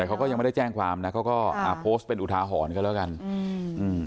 แต่เขาก็ยังไม่ได้แจ้งความนะเขาก็อ่าโพสต์เป็นอุทาหรณ์กันแล้วกันอืมอืม